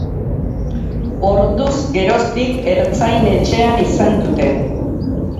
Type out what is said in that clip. Orduz geroztik ertzain-etxean izan dute.